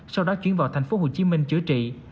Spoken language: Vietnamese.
sau đó chuyển vào thành phố hồ chí minh chữa trị